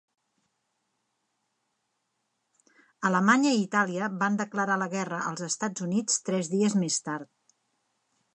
Alemanya i Itàlia van declarar la guerra als Estats Units tres dies més tard.